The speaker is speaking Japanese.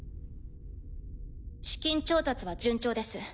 資金調達は順調です。